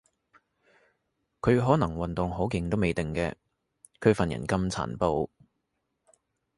佢可能運動好勁都未定嘅，佢份人咁殘暴